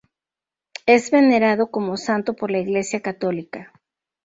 Es venerado como santo por la iglesia católica.